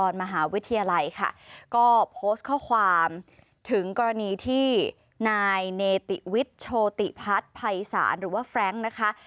นายเนติวิทโชติพัฒน์ภัยศาลหรือว่าฟแรงค์นะคะ